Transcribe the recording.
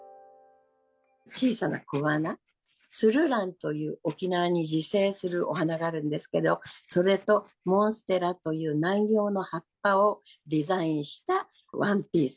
小さな小花、ツルランという、沖縄に自生するお花があるんですけど、それとモンステラという南洋の葉っぱをデザインしたワンピース。